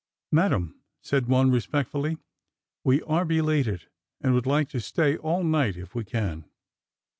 '' Madam," said one respectfully, we are belated, and would like to stay all night if we can."